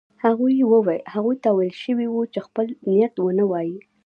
هغوی ته ویل شوي وو چې خپل نیت ونه وايي.